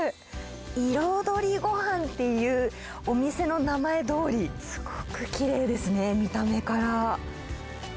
彩りごはんっていうお店の名前どおり、すごくきれいですね、見た目から。